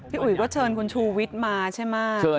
พี่อุ๋ยก็เชิญคุณชูวิทย์มาใช่มั้ย